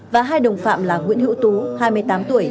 và hai đồng phạm là nguyễn hữu tú hai mươi tám tuổi